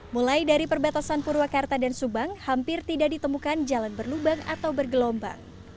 mulai dari perbatasan purwakarta dan subang hampir tidak ditemukan jalan berlubang atau bergelombang